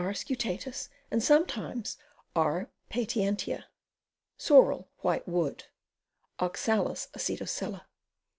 scutatus, and sometimes R. Patientia. Sorrel, White Wood. Oxalis Acetosella.